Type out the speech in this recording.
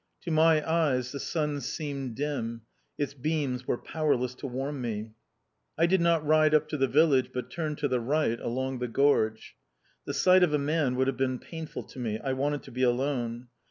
To my eyes the sun seemed dim, its beams were powerless to warm me. I did not ride up to the village, but turned to the right, along the gorge. The sight of a man would have been painful to me: I wanted to be alone.